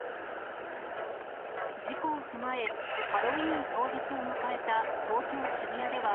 事故を踏まえ、ハロウィーン当日を迎えた東京・渋谷では、